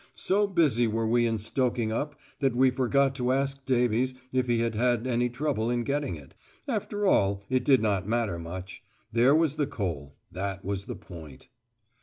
So busy were we in stoking up, that we forgot to ask Davies if he had had any trouble in getting it. After all, it did not matter much. There was the coal; that was the point.